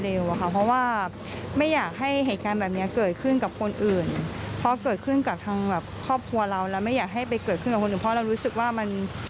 และไม่อยากให้ไปเกิดขึ้นกับคนอื่นเราเรารู้สึกว่า